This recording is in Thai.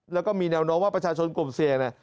แล้วก็มีแนวโน้มว่าประชาชนกลุ่มเสี่ยงเนี่ย